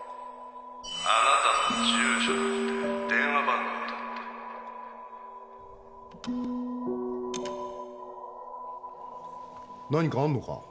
あなたの住所だって電話番号だって何かあるのか？